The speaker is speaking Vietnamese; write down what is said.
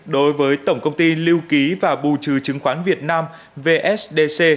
đối với tổng công ty lưu ký và bù trừ chứng khoán việt nam vsdc